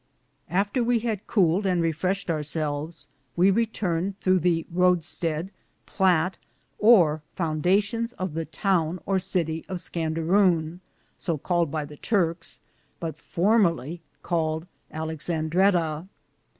After we had couled and Refreshed our selves, we Re turned throughe the scatelsteade/ plat,^ or foundationes of the towne or cittie of Scandaroune, so caled by the Turkes, but formerly caled AUicksandretta.